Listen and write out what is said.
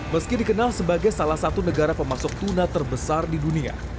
meski dikenal sebagai salah satu negara pemasok tuna terbesar di dunia